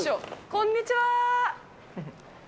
こんにちは。